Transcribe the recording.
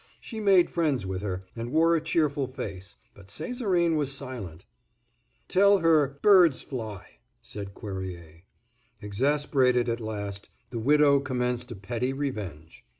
She made friends with her, and wore a cheerful face, but Césarine was silent. "Tell her 'birds fly,'" said Cuerrier. Exasperated, at last, the widow commenced a petty revenge.